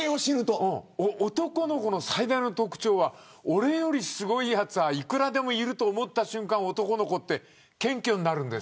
男の子の最大の特徴は俺よりすごいやつはいくらでもいると思った瞬間に謙虚になるんです。